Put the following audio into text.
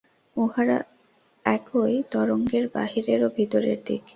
উহারা একই তরঙ্গের বাহিরের ও ভিতরের দিক্।